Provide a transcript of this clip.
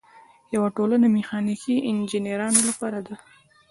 یوه ټولنه د میخانیکي انجینرانو لپاره ده.